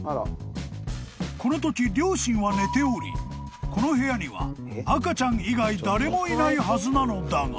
［このとき両親は寝ておりこの部屋には赤ちゃん以外誰もいないはずなのだが］